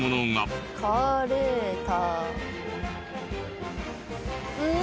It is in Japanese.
「カーレーター」。